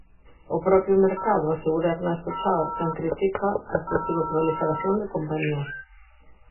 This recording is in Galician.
"O propio mercado", asegura Ernesto Chao, quen critica "a excesiva proliferación" de compañías.